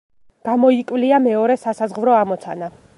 გამოიკვლია მეორე სასაზღვრო ამოცანა.